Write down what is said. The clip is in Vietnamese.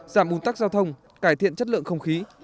giảm bùn tắc giao thông cải thiện chất lượng không khí